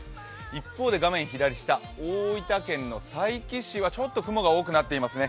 一方で画面左下大分県の佐伯市はちょっと雲が多くなっていますね。